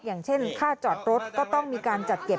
อย่างเช่นค่าจอดรถก็ต้องมีการจัดเก็บ